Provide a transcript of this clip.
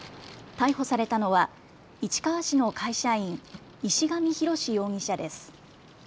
逮捕されたのは市川市の会社員、石上浩志容疑者です。